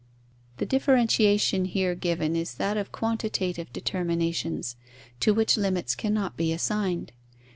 The differentiation here given is that of quantitative determinations, to which limits cannot be assigned.